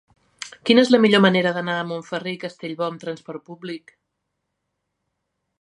Quina és la millor manera d'anar a Montferrer i Castellbò amb trasport públic?